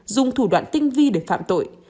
dùng thủ đoạn tinh vi để phạm tội